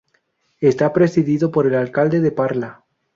Está presidido por el alcalde de Parla.